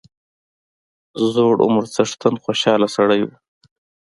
زوړ عمر څښتن خوشاله سړی وو.